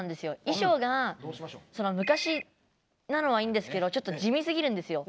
いしょうが昔なのはいいんですけどちょっと地味すぎるんですよ。